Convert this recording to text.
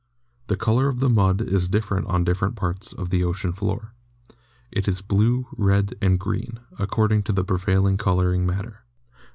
The color of the mud is different on different parts of the ocean floor. It is blue, red, and green, according to the prevailing coloring matter.